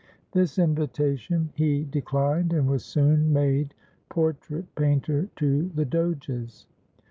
This invitation he declined, and was soon made portrait painter to the Doges.